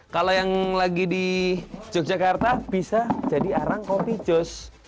kalau yang lagi di yogyakarta bisa jadi arang kopi cus